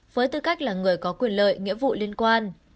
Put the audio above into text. với tư cách là người có quyền lợi nghĩa vụ liên quan